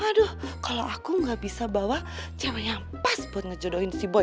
waduh kalau aku gak bisa bawa cewek yang pas buat ngejodohin si bot